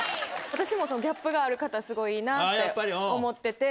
私もギャップがある方、すごいいいなって思ってて。